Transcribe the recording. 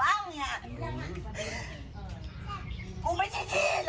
มันทำยังไงบ้างเนี่ย